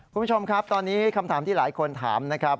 คุณผู้ชมครับตอนนี้คำถามที่หลายคนถามนะครับ